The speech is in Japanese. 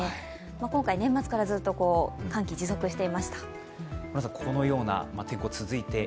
今回、年末からずっと寒気が持続していました。